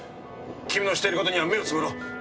君のしている事には目を瞑ろう。